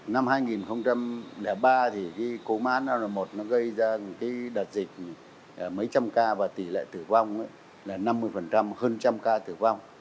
năm hai nghìn ba thì cúm ah năm n một nó gây ra đợt dịch mấy trăm ca và tỷ lệ tử vong là năm mươi hơn trăm ca tử vong